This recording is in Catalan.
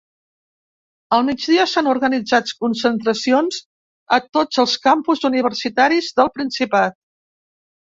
Al migdia s’han organitzat concentracions a tots els campus universitaris del Principat.